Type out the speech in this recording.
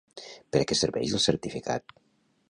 Per a què serveix el certificat?